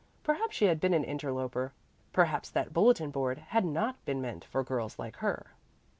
Perhaps she had been an interloper. Perhaps that bulletin board had not been meant for girls like her.